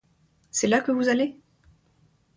C’est là que vous allez?